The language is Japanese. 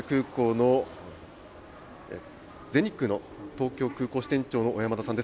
全日空の東京空港支店長の小山田さんです。